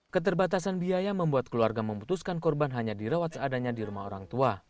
keterbatasan biaya membuat keluarga memutuskan korban hanya dirawat seadanya di rumah orang tua